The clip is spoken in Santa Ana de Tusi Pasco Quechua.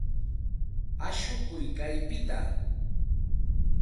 Ashukuy kaypita.